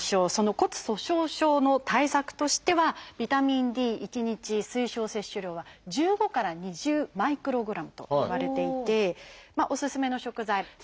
骨粗しょう症の対策としてはビタミンＤ１日推奨摂取量は１５から２０マイクログラムといわれていておすすめの食材さけとか